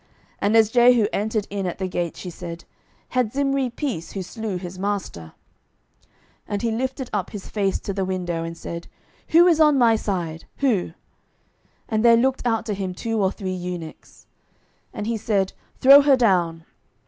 12:009:031 And as Jehu entered in at the gate, she said, Had Zimri peace, who slew his master? 12:009:032 And he lifted up his face to the window, and said, Who is on my side? who? And there looked out to him two or three eunuchs. 12:009:033 And he said, Throw her down.